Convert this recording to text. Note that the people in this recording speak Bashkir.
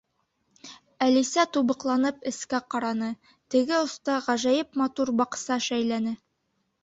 Әлисә, тубыҡланып, эскә ҡараны, теге оста ғәжәйеп матур баҡса шәйләне.